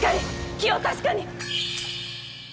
気を確かに！